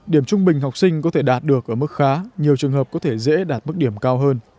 điểm trung bình học sinh có thể đạt được ở mức khá nhiều trường hợp có thể dễ đạt mức điểm cao hơn